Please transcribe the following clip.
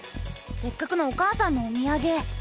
せっかくのお母さんのおみやげ。